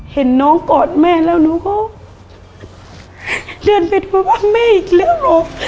เห็นน้องกอดแม่แล้วหนูก็เดินไปดูว่าแม่อีกแล้วลูก